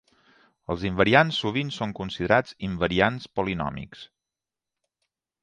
Els invariants sovint són considerats "invariants polinòmics".